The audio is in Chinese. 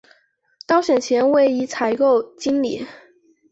当选前为一采购经理。